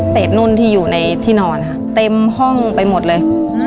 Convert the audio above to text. นุ่นที่อยู่ในที่นอนค่ะเต็มห้องไปหมดเลย